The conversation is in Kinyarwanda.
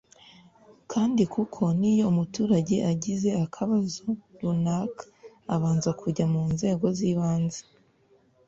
kandi kuko n’iyo umuturage agize akabazo runaka abanza kujya ku nzego z’ibanze